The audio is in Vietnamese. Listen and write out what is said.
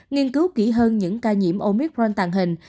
nghiên cứu kỹ hơn những ca nhiễm omicront tàn hình